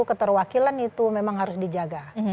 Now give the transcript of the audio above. keterwakilan itu memang harus dijaga